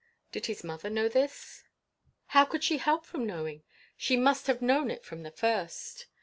Did his mother know this? How could she help knowing it? She must have known it from the first.